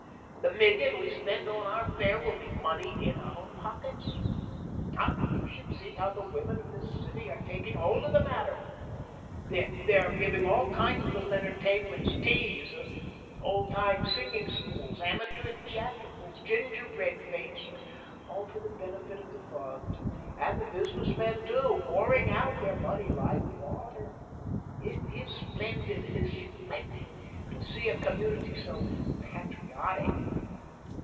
The million we spend on our fair will be money in our pockets. Ah, you should see how the women of this city are taking hold of the matter. They are giving all kinds of little entertainments, teas, 'Olde Tyme Singing Skules,' amateur theatricals, gingerbread fetes, all for the benefit of the fund, and the business men, too pouring out their money like water. It is splendid, splendid, to see a community so patriotic."